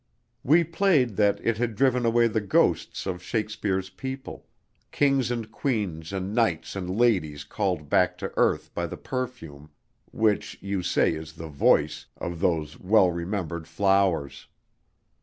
We played that it had driven away the ghosts of Shakespeare's people, kings and queens and knights and ladies called back to earth by the perfume which, you say, is the voice of those well remembered flowers.